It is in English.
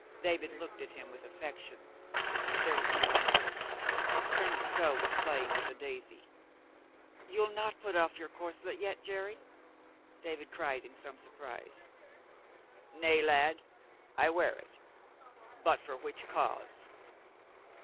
David looked at him with affection, but there was no answer. Colonel Stow was playing with a daisy. "You'll not put off your corselet yet, Jerry?" David cried in some surprise. "Nay, lad, I wear it. But for which cause?"